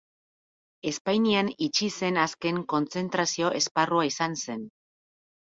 Espainian itxi zen azken kontzentrazio-esparrua izan zen.